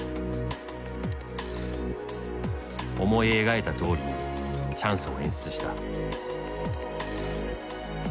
思い描いたとおりにチャンスを演出した。